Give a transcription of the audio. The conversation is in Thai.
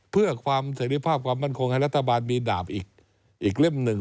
เพื่อความเสร็จภาพความมั่นคงให้รัฐบาลมีดาบอีกเล่มหนึ่ง